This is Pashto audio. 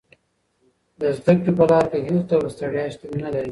د زده کړې په لار کې هېڅ ډول ستړیا شتون نه لري.